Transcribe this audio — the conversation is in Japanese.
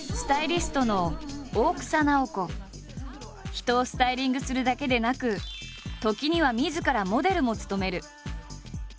人をスタイリングするだけでなく時にはみずからモデルも務める。